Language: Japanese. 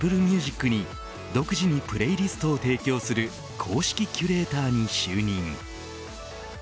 ＡｐｐｌｅＭｕｓｉｃに独自にプレーリストを提供する公式キュレーターに就任。